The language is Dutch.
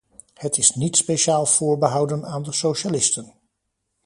Het is niet speciaal voorbehouden aan de socialisten.